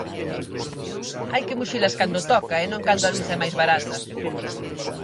Hai que muxilas cando toca e non cando a luz é máis barata.